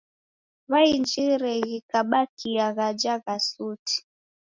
W'ainjire ghikabakia ghaja gha suti.